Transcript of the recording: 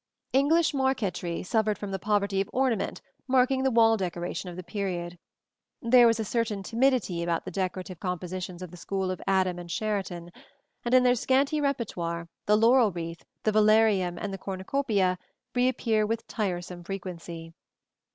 English marquetry suffered from the poverty of ornament marking the wall decoration of the period. There was a certain timidity about the decorative compositions of the school of Adam and Sheraton, and in their scanty repertoire the laurel wreath, the velarium and the cornucopia reappear with tiresome frequency.